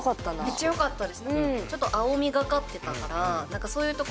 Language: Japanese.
めっちゃよかったです。